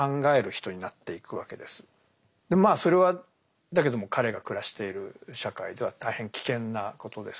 まあそれはだけども彼が暮らしている社会では大変危険なことです